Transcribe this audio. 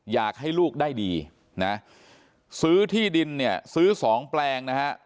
อยากให้ลูกได้ดีนะซื้อที่ดินเนี่ยซื้อสองแปลงนะฮะ